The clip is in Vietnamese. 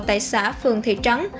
tại xã phường thị trắng